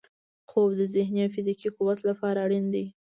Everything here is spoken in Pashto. خوب د ذهني او فزیکي قوت لپاره اړین دی